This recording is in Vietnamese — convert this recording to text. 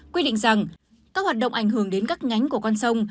quy định rằng các hoạt động ảnh hưởng đến các nhánh của con sông